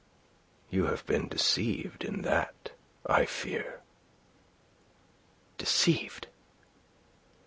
"You have been deceived in that, I fear." "Deceived?"